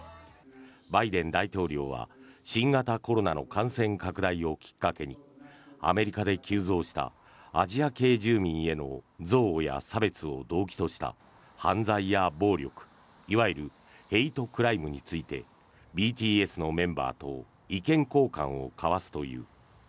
バイデン大統領は新型コロナの感染拡大をきっかけにアメリカで急増したアジア系住民への憎悪や差別を動機とした犯罪や暴力いわゆるヘイトクライムについてＢＴＳのメンバーと意見交換を交わすという。